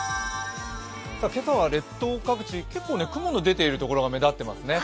今朝は列島各地、結構雲の出ているところが目立っていますね。